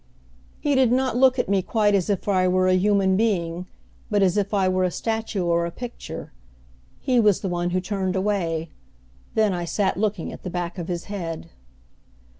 He did not look, at me quite as if I were a human being, but as if I were a statue or a picture. He was the one who turned away. Then I sat looking at the back of his head.